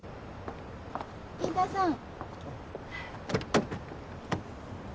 飯田さん。